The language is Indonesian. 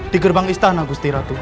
di gerbang istana gusti ratu